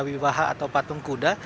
wibaha atau patungkuda